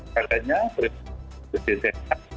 katanya kesehatan manusia